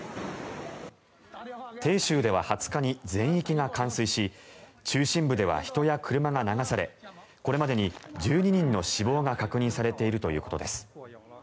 鄭州では２０日に全域が冠水し中心部では人や車が流されこれまでに１２人の死亡が確認されているということです。